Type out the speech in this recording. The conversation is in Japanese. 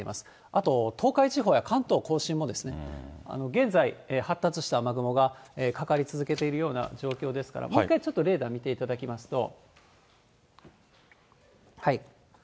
あと東海地方や関東甲信も、現在、発達した雨雲がかかり続けているような状況ですから、もう一回、ちょっとレーダー見ていただきますと。